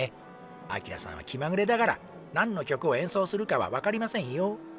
アキラさんは気まぐれだから何の曲をえんそうするかは分かりませんよ。